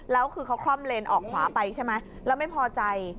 แล้วคือเขาคล่อมเลนออกขวาไปใช่ไหมแล้วไม่พอใจ